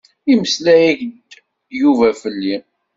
Imeslay-ak-d Yuba fell-i?